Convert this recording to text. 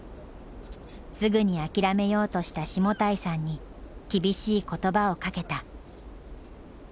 すぐに諦めようとした下平さんに厳しい言葉をかけた。